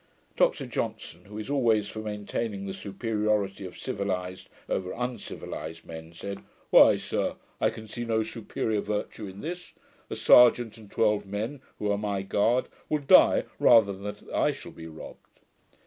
Dr Johnson, who is always for maintaining the superiority of civilized over uncivilized men, said, 'Why, sir, I can see no superiour virtue in this. A serjeant and twelve men, who are my guard, will die, rather than that I shall be robbed.'